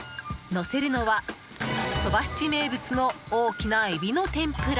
のせるのは、そば七名物の大きなエビの天ぷら。